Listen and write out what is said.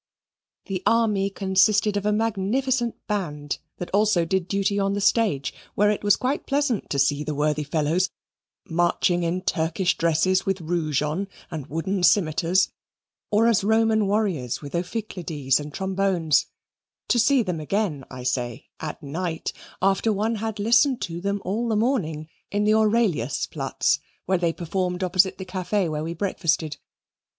The army consisted of a magnificent band that also did duty on the stage, where it was quite pleasant to see the worthy fellows marching in Turkish dresses with rouge on and wooden scimitars, or as Roman warriors with ophicleides and trombones to see them again, I say, at night, after one had listened to them all the morning in the Aurelius Platz, where they performed opposite the cafe where we breakfasted.